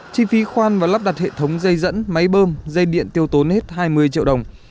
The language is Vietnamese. chi phí khoan và lắp đặt hệ thống dây dẫn máy bơm dây điện tiêu tốn hết hai mươi triệu đồng